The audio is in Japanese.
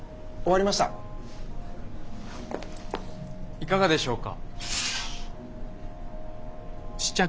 いかがでしょうか？